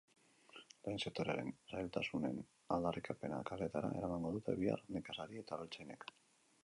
Lehen sektorearen zailtasunen aldarrikapena kaleetara eramango dute bihar nekazari eta abeltzainek.